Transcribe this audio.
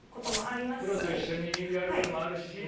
プロと一緒にやることもあるしっていう。